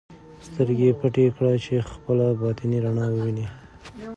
سترګې پټې کړه چې خپله باطني رڼا ووینې.